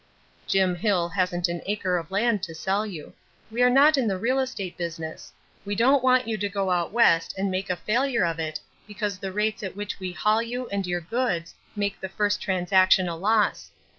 Jim Hill hasn't an acre of land to sell you. We are not in the real estate business. We don't want you to go out West and make a failure of it because the rates at which we haul you and your goods make the first transaction a loss....